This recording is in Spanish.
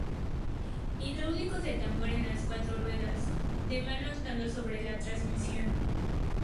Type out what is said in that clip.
Hidráulicos de tambor en las cuatro ruedas, de mano actuando sobre la transmisión.